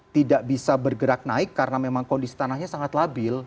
tidak bisa bergerak naik karena memang kondisi tanahnya sangat labil